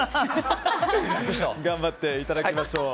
頑張っていただきましょう。